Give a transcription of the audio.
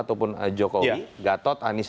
ataupun jokowi gatot anies